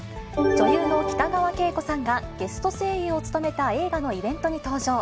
女優の北川景子さんが、ゲスト声優を務めた映画のイベントに登場。